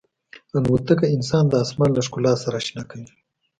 الوتکه انسان د آسمان له ښکلا سره اشنا کوي.